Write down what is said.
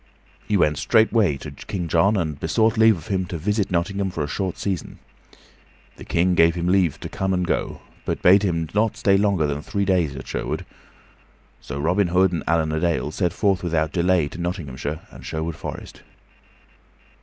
So he went straightway to King John and besought leave of him to visit Nottingham for a short season. The King gave him leave to come and to go, but bade him not stay longer than three days at Sherwood. So Robin Hood and Allan a Dale set forth without delay to Nottinghamshire and Sherwood Forest.